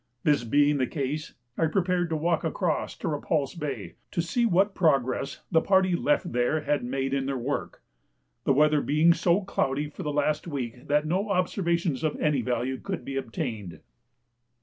This being the case, I prepared to walk across to Repulse Bay to see what progress the party left there had made in their work. The weather had been so cloudy for the last week that no observations of any value could be obtained.